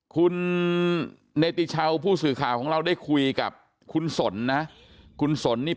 คุณเนติชาวผู้สื่อข่าวของเราได้คุยกับคุณสนนะคุณสนนี่